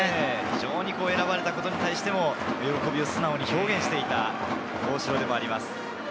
選ばれたことに対しても喜びを素直に表現していた大城です。